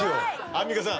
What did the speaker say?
アンミカさん。